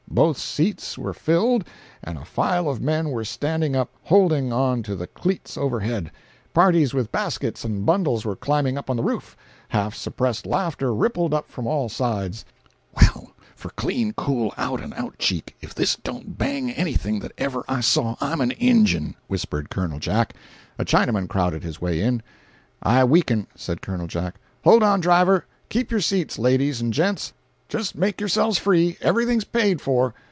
Both seats were filled, and a file of men were standing up, holding on to the cleats overhead. Parties with baskets and bundles were climbing up on the roof. Half suppressed laughter rippled up from all sides. "Well, for clean, cool, out and out cheek, if this don't bang anything that ever I saw, I'm an Injun!" whispered Col. Jack. A Chinaman crowded his way in. "I weaken!" said Col. Jack. "Hold on, driver! Keep your seats, ladies, and gents. Just make yourselves free—everything's paid for.